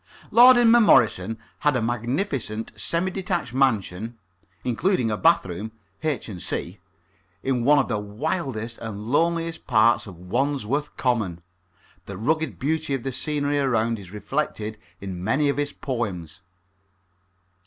Lord Inmemorison had a magnificent semi detached mansion (including a bath room, h. and c.) in one of the wildest and loneliest parts of Wandsworth Common. The rugged beauty of the scenery around is reflected in many of his poems.